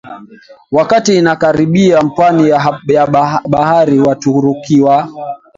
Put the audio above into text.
wakati inakaribia pwani ya bahari Waturuki wa